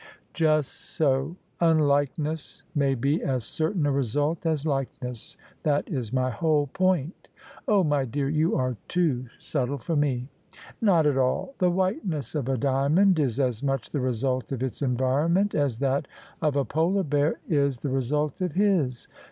" Just so. Unlikeness may be as certain a result as like ness. That is my whole point." " Oh ! my dear, you are too subtle for me." " Not at all. The whiteness of a diamond is as much the result of its environment as that of a polar bear is OF ISABEL CARNABY the result of his.